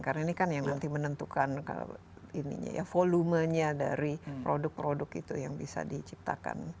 karena ini kan yang nanti menentukan volumenya dari produk produk itu yang bisa diciptakan